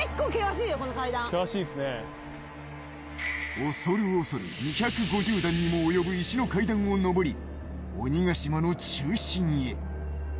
おそるおそる２５０段にも上る石の階段を上り鬼ヶ島の中心へ。